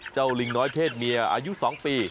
เจ้าลิงน้อยเทศเมียอายุสองปี